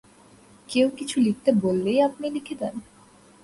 কেউ কিছু লিখতে বললেই আপনি লিখে দেন?